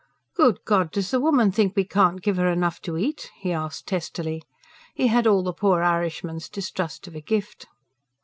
"Good God! does the woman think we can't give her enough to eat?" he asked testily. He had all the poor Irishman's distrust of a gift.